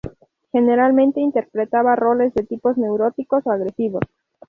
Generalmente interpretaba roles de tipos neuróticos o agresivos.